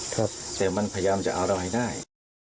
แต่มันพยายามจะเอาเราให้ได้